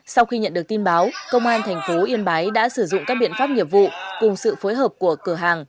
sau khi nhận được tin báo công an thành phố yên bái đã sử dụng các biện pháp nghiệp vụ cùng sự phối hợp của cửa hàng